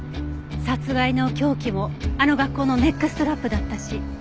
殺害の凶器もあの学校のネックストラップだったし。